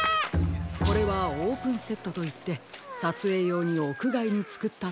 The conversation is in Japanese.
これはオープンセットといってさつえいようにおくがいにつくったたてものです。